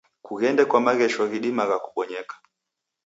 Kughende kwa maghesho ghidimagha kubonyeka.